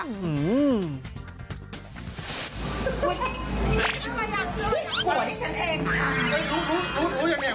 สมมุติของผู้หัวที่ฉันเอง